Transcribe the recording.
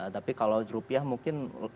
tapi kalau rupiah mungkin